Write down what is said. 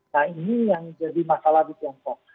nah ini yang jadi masalah di tiongkok